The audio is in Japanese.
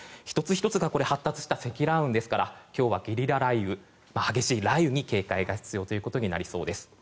１つ１つが発達した積乱雲ですから今日はゲリラ雷雨激しい雷雨に警戒が必要となりそうです。